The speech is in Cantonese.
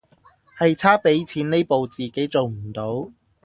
係差畀錢呢步自己做唔到